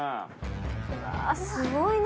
うわっすごいな。